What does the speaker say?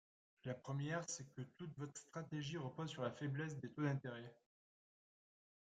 La première, c’est que toute votre stratégie repose sur la faiblesse des taux d’intérêt.